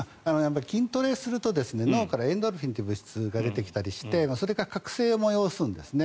筋トレすると脳からエンドルフィンという物質が出てきたりしてそれが覚醒を催すんですね。